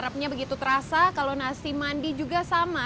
rapnya begitu terasa kalau nasi mandi juga sama